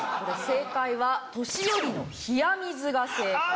正解は「年寄りの冷や水」が正解。